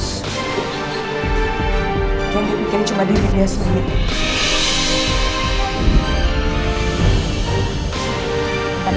jangan dipikir cuma diri dia sendiri